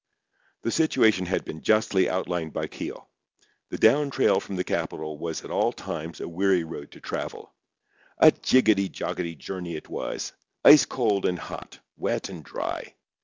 The situation had been justly outlined by Keogh. The down trail from the capital was at all times a weary road to travel. A jiggety joggety journey it was; ice cold and hot, wet and dry.